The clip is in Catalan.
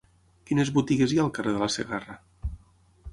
Quines botigues hi ha al carrer de la Segarra?